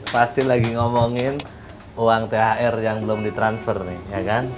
pasti lagi ngomongin uang thr yang belum ditransfer nih ya kan